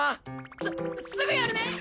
すすぐやるね！